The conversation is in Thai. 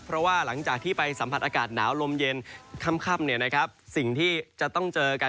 เพราะว่าหลังจากที่ไปสัมผัสอากาศหนาวลมเย็นค่ำสิ่งที่จะต้องเจอกัน